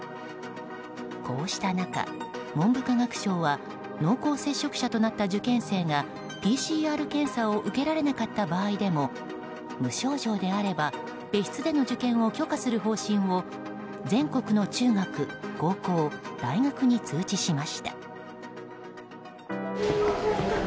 こうした中、文部科学省は濃厚接触者となった受験生がＰＣＲ検査を受けられなかった場合でも無症状であれば別室での受験を許可する方針を全国の中学、高校、大学に通知しました。